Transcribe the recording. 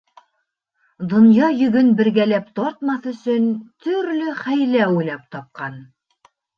Донъя йөгөн бергәләп тартмаҫ өсөн төрлө хәйлә уйлап тапҡан.